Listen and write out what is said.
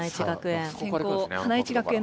花一学園。